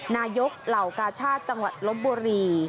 เหล่ากาชาติจังหวัดลบบุรี